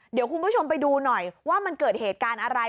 เดี๋ยวคุณผู้ชมไปดูหน่อยว่ามันเกิดเหตุการณ์อะไร